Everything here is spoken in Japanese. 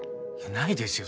ないですよ